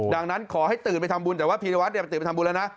ดังนั้นขอให้ตื่นไปทำบุญแต่ว่าพีรวัตรไปตื่นไปทำบุญแล้วนะ